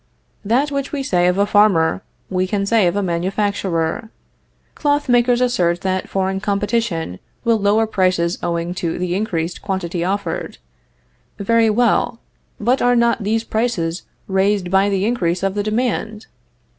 That which we say of a farmer, we can say of a manufacturer. Cloth makers assert that foreign competition will lower prices owing to the increased quantity offered. Very well, but are not these prices raised by the increase of the demand?